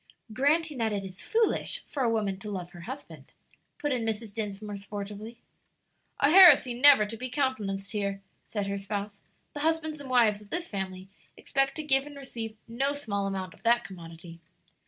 "Granting that it is foolish for a woman to love her husband," put in Mrs. Dinsmore, sportively. "A heresy never to be countenanced here," said her spouse; "the husbands and wives of this family expect to give and receive no small amount of that commodity.